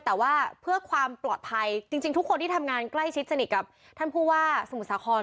แต่ว่าเพื่อความปลอดภัยจริงทุกคนที่ทำงานใกล้ชิดสนิทกับท่านผู้ว่าสมุทรสาคร